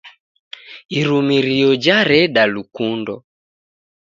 Irumirio jareda lukundo